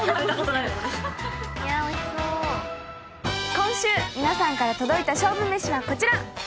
今週皆さんから届いた勝負めしはこちら。